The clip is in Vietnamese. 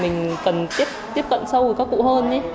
mình cần tiếp cận sâu với các cụ hơn